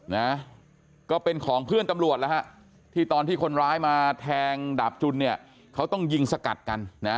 นะก็เป็นของเพื่อนตำรวจแล้วฮะที่ตอนที่คนร้ายมาแทงดาบจุนเนี่ยเขาต้องยิงสกัดกันนะ